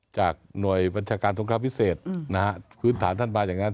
จากหน่วยบัญชาการทรงคราบพิเศษนะฮะพื้นฐานท่านมาอย่างนั้น